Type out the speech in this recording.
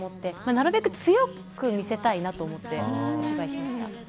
なるべく強く見せたいなと思って芝居をしました。